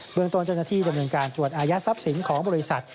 เบื้องตรวจนาทีดำเนินการตรวจอายศัพท์สิงห์ของบริษัท